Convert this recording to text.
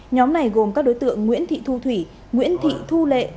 nhóm này gồm các đối tượng nguyễn thị thu thủy nguyễn thị thu lệ